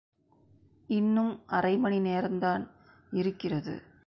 இன்னும் அரைமணி நேரந்தான் இருக்கிறது.